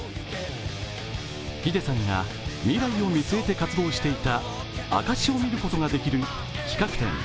ｈｉｄｅさんが未来を見据えて活動していた証しを見ることができる企画展